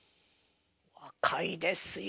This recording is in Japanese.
若いですよ。